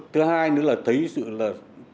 thứ hai nữa là thấy sự là